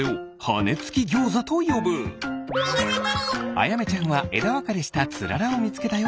あやめちゃんはえだわかれしたつららをみつけたよ。